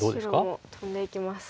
白もトンでいきます。